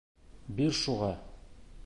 Бир шуға!